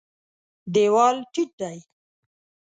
دېوال ټیټ دی.